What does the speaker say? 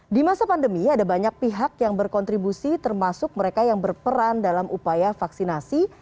di masa pandemi ada banyak pihak yang berkontribusi termasuk mereka yang berperan dalam upaya vaksinasi